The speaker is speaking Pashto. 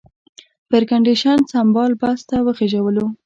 په ایرکنډېشن سمبال بس ته وخېژولو.